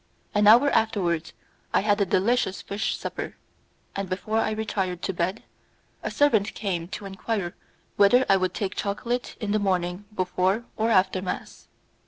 An hour afterwards I had a delicious fish supper, and, before I retired to bed, a servant came to enquire whether I would take chocolate in the morning before or after mass.